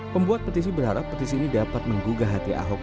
pembuat petisi berharap petisi ini dapat menggugah hati ahok